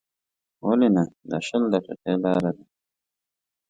ولې نه، دا شل دقیقې لاره ده.